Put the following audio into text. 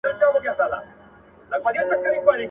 هم یې کور هم انسانانو ته تلوار وو !.